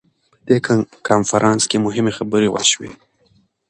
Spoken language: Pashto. په دې کنفرانس کې مهمې خبرې وشوې.